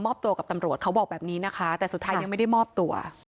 ตัวกับตำรวจเขาบอกแบบนี้นะคะแต่สุดท้ายยังไม่ได้มอบตัว